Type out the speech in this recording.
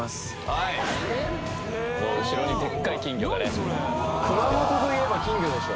はいもう後ろにでっかい金魚がね熊本といえば金魚でしょ